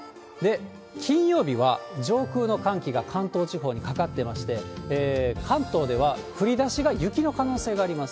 金曜日は、上空の寒気が関東地方にかかってまして、関東では降りだしが雪の可能性があります。